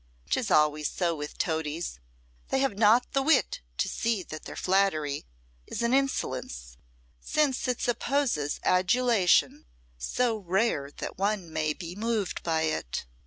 'Tis always so with toadies; they have not the wit to see that their flattery is an insolence, since it supposes adulation so rare that one may be moved by it.